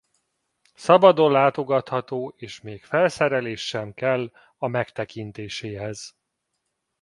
Szabadon látogatható és még felszerelés sem kell a megtekintéséhez.